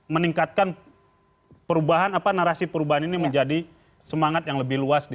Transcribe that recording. meningkatkan narasi perubahan ini menjadi semangat yang lebih besar